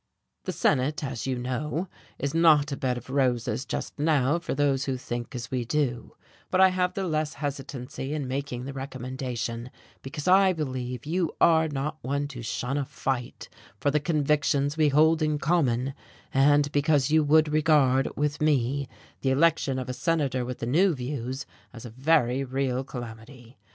The Senate, as you know, is not a bed of roses just now for those who think as we do; but I have the less hesitancy in making the recommendation because I believe you are not one to shun a fight for the convictions we hold in common, and because you would regard, with me, the election of a senator with the new views as a very real calamity.